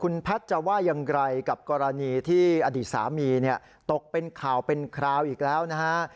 คุณแพทย์จะว่าอย่างไรกับกรณีที่อดีตสามีเนี่ยตกเป็นข่าวเป็นคราวอีกแล้วนะฮะ